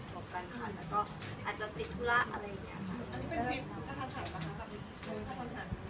คนอื่นมาก็ไม่รู้